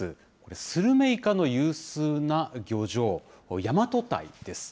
スルメイカの有数な漁場、大和堆です。